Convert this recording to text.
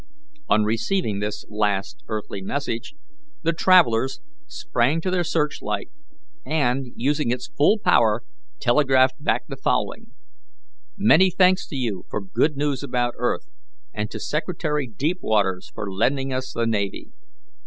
On receiving this last earthly message, the travellers sprang to their searchlight, and, using its full power, telegraphed back the following: "Many thanks to you for good news about earth, and to Secretary Deepwaters for lending us the navy.